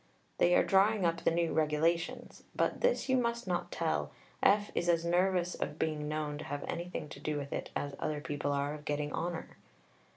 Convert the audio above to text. They are drawing up the new Regulations (but this you must not tell. F. is as nervous of being known to have anything to do with it as other people are of getting honour)....